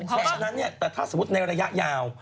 เพราะฉะนั้นแต่ถ้าสมมุติในระยะยาว